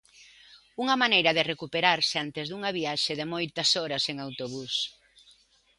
Unha maneira de recuperarse antes dunha viaxe de moitas horas en autobús.